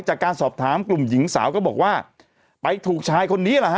จากการสอบถามกลุ่มหญิงสาวก็บอกว่าไปถูกชายคนนี้แหละฮ